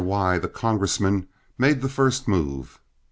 Y , the congressman, made the first move.